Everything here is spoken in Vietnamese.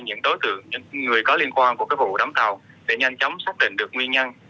những đối tượng những người có liên quan của vụ đóng tàu để nhanh chóng xác định được nguyên nhân